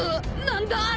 何だ？